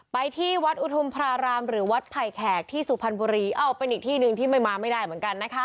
ไปที่วัดอุทุมพระรามหรือวัดไผ่แขกที่สุพรรณบุรีเอ้าเป็นอีกที่หนึ่งที่ไม่มาไม่ได้เหมือนกันนะคะ